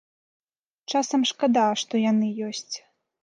Часам шкада, што яны ёсць.